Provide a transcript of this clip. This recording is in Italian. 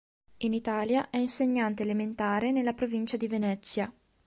In Italia è insegnante elementare nella provincia di Venezia.